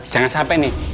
jangan sampai nih